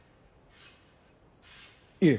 いえ。